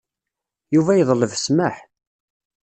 Yuba yeḍleb ssmaḥ